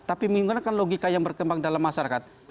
tapi menggunakan logika yang berkembang dalam masyarakat